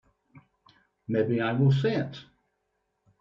Maybe I will say it.